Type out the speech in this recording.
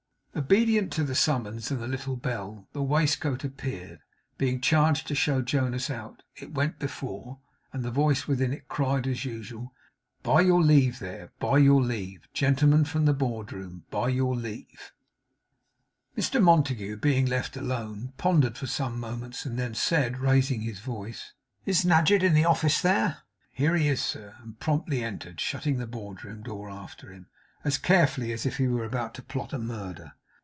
Obedient to the summons and the little bell, the waistcoat appeared. Being charged to show Jonas out, it went before; and the voice within it cried, as usual, 'By your leave there, by your leave! Gentleman from the board room, by your leave!' Mr Montague being left alone, pondered for some moments, and then said, raising his voice: 'Is Nadgett in the office there?' 'Here he is, sir.' And he promptly entered; shutting the board room door after him, as carefully as if he were about to plot a murder.